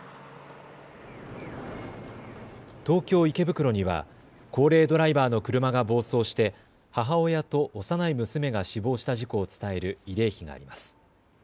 東京・池袋には高齢ドライバーの車が暴走して母親と幼い娘が死亡した事故を伝える慰霊碑があります。